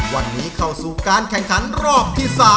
วันนี้เข้าสู่การแข่งขันรอบที่๓